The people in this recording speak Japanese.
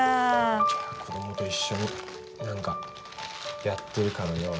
じゃあ子供と一緒に何かやってるかのように。